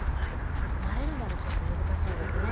慣れるまでちょっと難しいですね。